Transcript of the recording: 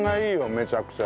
めちゃくちゃ。